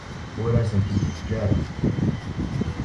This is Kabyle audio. Ur asent-t-id-yeǧǧa ara.